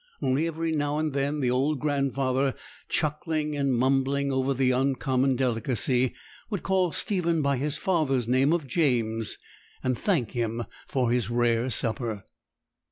Only every now and then the old grandfather, chuckling and mumbling over the uncommon delicacy, would call Stephen by his father's name of James, and thank him for his rare supper.